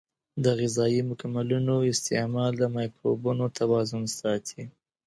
د غذایي مکملونو استعمال د مایکروبونو توازن ساتي.